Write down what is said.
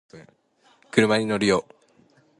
車に乗るよ